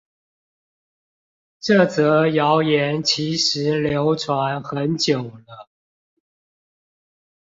這則謠言其實流傳很久了